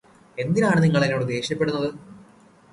എന്തിനാണ് നിങ്ങൾ എന്നോട് ദേഷ്യപ്പെടുന്നത്?